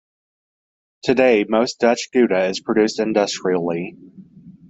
Today, most Dutch Gouda is produced industrially.